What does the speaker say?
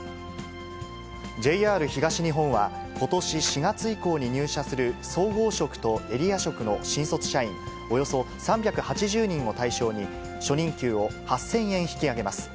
ＪＲ東日本はことし４月以降に入社する総合職とエリア職の新卒社員およそ３８０人を対象に、初任給を８０００円引き上げます。